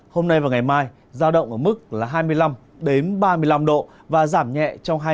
hôm nay và ngày mai giao động ở mức là hai mươi năm ba mươi năm độ và giảm nhẹ trong hai ngày